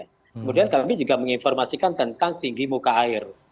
kemudian kami juga menginformasikan tentang tinggi muka air